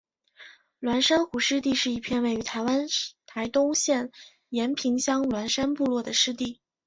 鸾山湖湿地是一片位于台湾台东县延平乡鸾山部落的湿地。